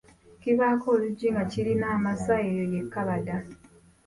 Kibaako oluggi nga kirina amasa eyo ye kkabada.